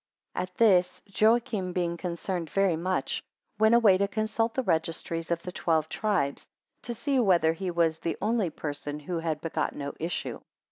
3 At this, Joachim being concerned very much, went away to consult the registries of the twelve tribes, to see whether he was the only person who had begot no issue.